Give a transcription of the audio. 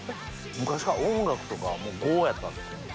昔から音楽とかは「５」やったんですか？